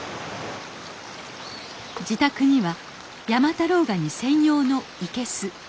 自宅には山太郎ガニ専用の生けす。